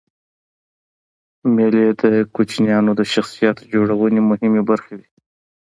مېلې د کوچنيانو د شخصیت جوړنوني مهمي برخي دي.